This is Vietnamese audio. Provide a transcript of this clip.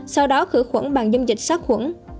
sau đó khử khuẩn bằng dâm dịch xác khuẩn